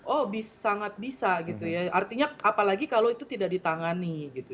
oh sangat bisa gitu ya artinya apalagi kalau itu tidak ditangani gitu